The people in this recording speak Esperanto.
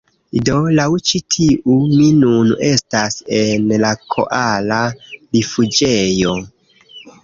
Do, laŭ ĉi tiu, mi nun estas en la koala rifuĝejo.